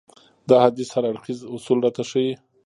دا حديث هر اړخيز اصول راته ښيي.